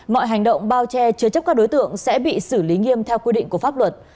mọi hành động bao che chứa chấp các đối tượng sẽ bị xử lý nghiêm theo quy định của pháp luật